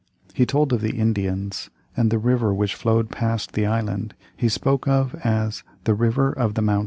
He told of the Indians; and the river which flowed past the island he spoke of as "The River of the Mountains."